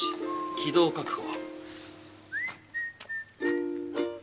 気道確保。